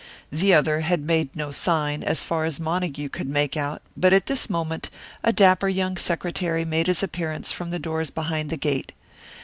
The other had made no sign, as far as Montague could make out, but at this moment a dapper young secretary made his appearance from the doors behind the gate.